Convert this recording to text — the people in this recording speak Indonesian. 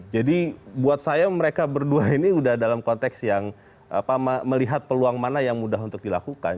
jadi buat saya mereka berdua ini sudah dalam konteks yang melihat peluang mana yang mudah untuk dilakukan